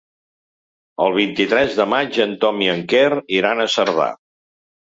El vint-i-tres de maig en Tom i en Quer iran a Cerdà.